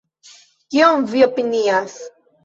Kion vi opinias?